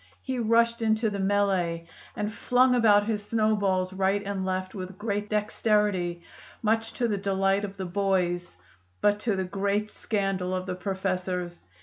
He rushed into the mêlée and flung about his snowballs right and left with great dexterity, much to the delight of the boys but to the great scandal of the professors.